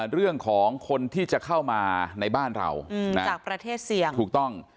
เรื่องของคนที่จะเข้ามาในบ้านเราจากประเทศเสี่ยงถูกต้อง